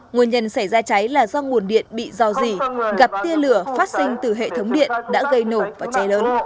nguồn nhân xảy ra cháy là do nguồn điện bị do gì gặp tia lửa phát sinh từ hệ thống điện đã gây nổ và cháy